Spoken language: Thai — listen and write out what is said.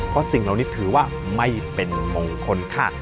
เพราะสิ่งเหล่านี้ถือว่าไม่เป็นมงคลค่ะ